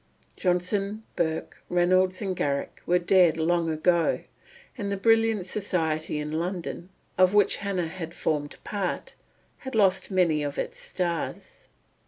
Johnson, Burke, Reynolds, and Garrick were dead long ago, and the brilliant society in London, of which Hannah had formed part, had lost many of its stars.